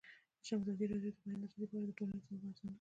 ازادي راډیو د د بیان آزادي په اړه د ټولنې د ځواب ارزونه کړې.